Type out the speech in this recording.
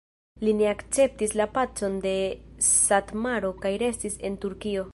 Li ne akceptis la pacon de Satmaro kaj restis en Turkio.